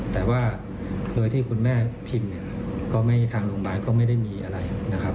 แต่ว่าเมื่อที่คุณแม่พิมพ์ทางโรงพยาบาลก็ไม่ได้มีอะไรนะครับ